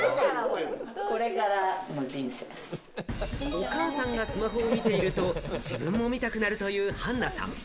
お母さんがスマホを見ていると自分も見たくなるという、はんなさん。